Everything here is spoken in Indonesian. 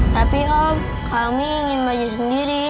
tapi om kami ingin baju sendiri